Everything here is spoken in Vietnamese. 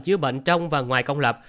chứa bệnh trong và ngoài công lập